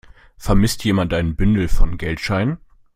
Vermisst jemand ein Bündel von Geldscheinen?